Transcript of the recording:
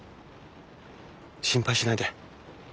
心配しないで。